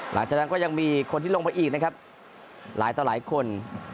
หลังจากนั้นก็ยังมีคนที่ลงไปอีกนะครับหลายต่อหลายคน